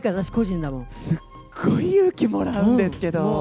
すっごい勇気もらうんですけど。